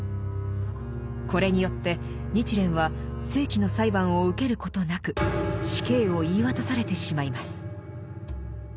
これによって日蓮は正規の裁判を受けることなく死刑を言い渡されてしまいます。